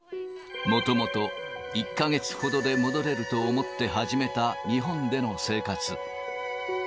もともと１か月ほどで戻れると思って始めた日本での生活。